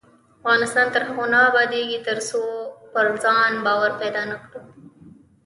افغانستان تر هغو نه ابادیږي، ترڅو پر ځان باور پیدا نکړو.